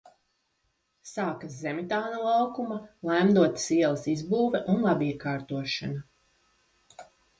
Sākas Zemitāna laukuma, Laimdotas ielas izbūve un labiekārtošana.